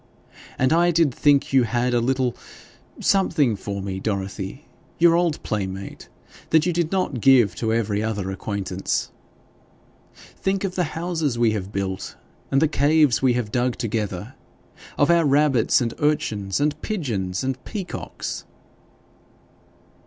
And I did think you had a little something for me, Dorothy, your old playmate, that you did not give to every other acquaintance. Think of the houses we have built and the caves we have dug together of our rabbits, and urchins, and pigeons, and peacocks!'